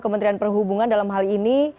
kementerian perhubungan dalam hal ini